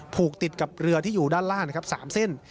ผูกติดกับเรือที่อยู่ด้านล่างนะครับ๓เส้น